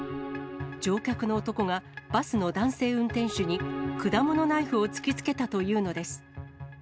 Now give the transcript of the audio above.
乗客の男が、バスの男性運転手に、果物ナイフを突きつけたというのです。